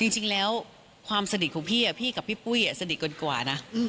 จริงแล้วความสนิทของพี่พี่กับพี่ปุ้ยสนิทเกินกว่านะ